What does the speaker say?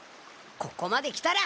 ここまで来たら！